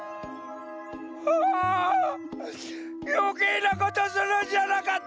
ああよけいなことするんじゃなかった！